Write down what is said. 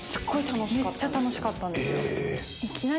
めっちゃ楽しかったんですよ。